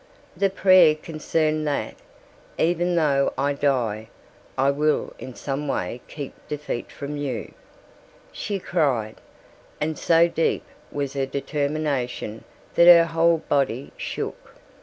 The prayer concerned that. "Even though I die, I will in some way keep defeat from you," she cried, and so deep was her determination that her whole body shook.